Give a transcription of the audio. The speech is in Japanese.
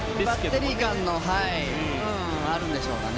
バッテリー間の、あるんでしょうかね。